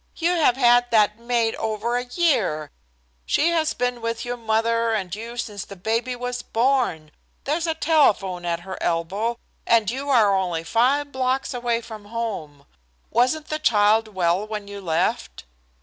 You have had that maid over a year; she has been with your mother and you since the baby was born; there's a telephone at her elbow, and you are only five blocks away from home. Wasn't the child well when you left?"